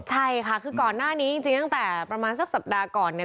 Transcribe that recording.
ใช่ค่ะคือก่อนหน้านี้จริงตั้งแต่ประมาณสักสัปดาห์ก่อนเนี่ย